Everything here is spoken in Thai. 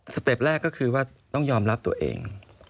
เต็ปแรกก็คือว่าต้องยอมรับตัวเอง